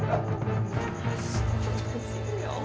astaga ya allah pak